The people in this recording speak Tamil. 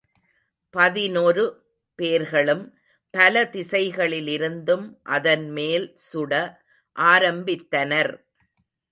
பதினொரு பேர்களும் பல திசைகளிலிருந்தும் அதன்மேல் சுட ஆரம்பித்தனர்.